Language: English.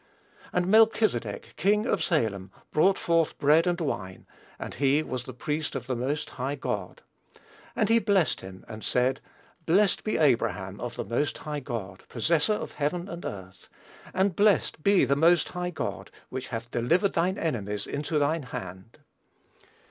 "And Melchizedek, king of Salem, brought forth bread and wine, and he was the priest of the most high God. And he blessed him, and said, Blessed be Abram of the most high God, possessor of heaven and earth; and blessed be the most high God, which hath delivered thine enemies into thy hand."